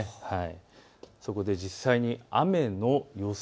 そこで実際に雨の予想